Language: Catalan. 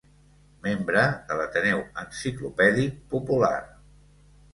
Membre de l'Ateneu Enciclopèdic Popular.